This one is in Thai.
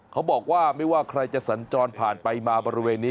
เขาบอกว่าไม่ว่าใครจะสัญจรผ่านไปมาบริเวณนี้